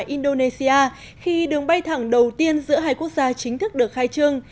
indonesia khi đường bay thẳng đầu tiên giữa hai quốc gia chính thức được khai trương